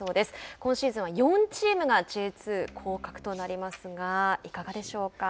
今シーズンは４チームがＪ２降格となりますがいかがでしょうか。